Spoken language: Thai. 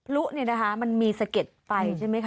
ลุเนี่ยนะคะมันมีสะเก็ดไฟใช่ไหมคะ